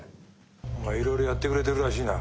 お前いろいろやってくれてるらしいな。